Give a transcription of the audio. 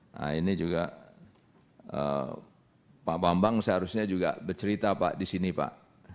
nah ini juga pak bambang seharusnya juga bercerita pak di sini pak